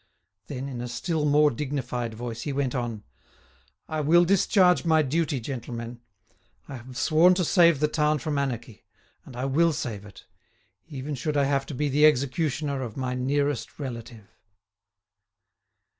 Then, in a still more dignified voice, he went on: "I will discharge my duty, gentlemen. I have sworn to save the town from anarchy, and I will save it, even should I have to be the executioner of my nearest relative."